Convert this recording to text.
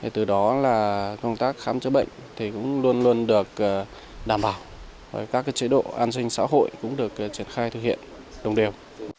từ đó là công tác khám chữa bệnh cũng luôn luôn được đảm bảo các chế độ an sinh xã hội cũng được triển khai thực hiện đồng đều